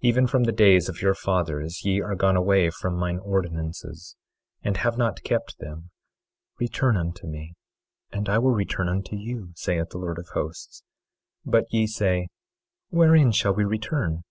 24:7 Even from the days of your fathers ye are gone away from mine ordinances, and have not kept them. Return unto me and I will return unto you, saith the Lord of Hosts. But ye say: Wherein shall we return?